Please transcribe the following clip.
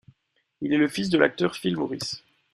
Il est le fils de l'acteur Phil Morris.